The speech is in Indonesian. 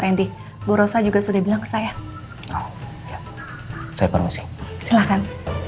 rendy borosa juga sudah bilang ke saya saya permisi silakan